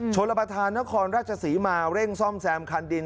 ชนประธานนครราชศรีมาเร่งซ่อมแซมคันดิน